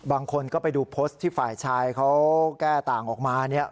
บางคนก็ไปดูโพสต์ที่ฝ่ายชายเขาแก้ต่างออกมาเนี่ย